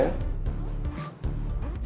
saya murid terbaik yang mau